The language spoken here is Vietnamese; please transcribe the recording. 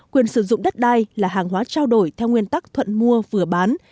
quyền sử dụng đất đai là hàng hóa trao đổi theo nguyên tắc thuận mua vừa bán